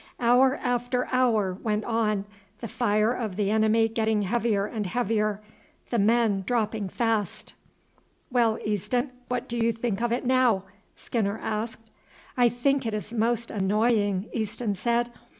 Hour after hour went on, the fire of the enemy getting heavier and heavier, the men dropping fast. "Well, Easton, what do you think of it now?" Skinner asked. "I think it is most annoying," Easton said.